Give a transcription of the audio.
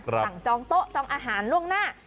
สั่งจองโต๊ะจองอาหารล่วงหน้า